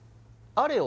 あれよ？